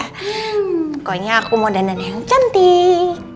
pokoknya aku mau dandan yang cantik